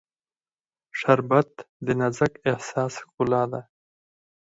شربت د نازک احساس ښکلا ده